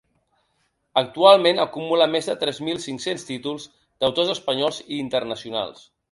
Actualment, acumula més de tres mil cinc-cents títols d’autors espanyols i internacionals.